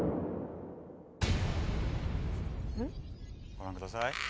ご覧ください。